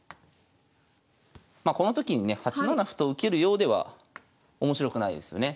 まこの時にね８七歩と受けるようでは面白くないですよね。